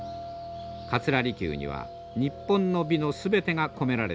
桂離宮には日本の美の全てが込められています。